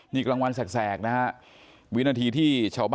นี่กลางวันแสกนะฮะวินาทีที่ชาวบ้านที่เห็นก็มาช่วยนะครับ